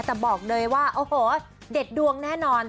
แต่บอกเลยว่าโอ้โหเด็ดดวงแน่นอน